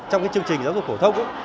trong cái chương trình giáo dục phổ thông